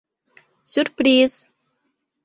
Сюрприз!